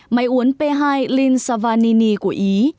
máy uốn p hai lin savannini của ý